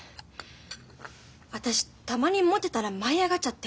私たまにもてたら舞い上がっちゃって。